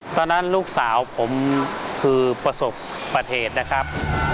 ตอนนั้นลูกสาวผมคือประสบปฏิเหตุนะครับ